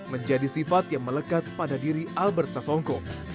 menjadi sifat yang melekat pada diri albert sasongko